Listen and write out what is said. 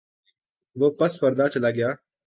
وہ پس پردہ چلاگیا۔